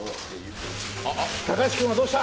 高橋君はどうした？